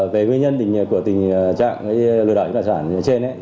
về nguyên nhân của tình trạng lừa đảo những đoạn sản trên